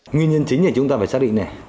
nguyên nhân chính là chúng ta phải xác định này